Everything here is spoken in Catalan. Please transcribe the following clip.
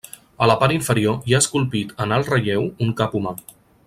A la part inferior hi ha esculpit en alt relleu un cap humà.